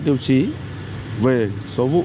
ba tiêu chí về số vụ